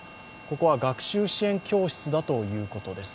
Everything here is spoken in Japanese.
ここは学習支援教室だということです。